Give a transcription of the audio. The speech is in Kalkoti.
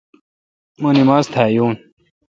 مہ نماز تھا یون۔